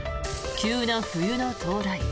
急な冬の到来。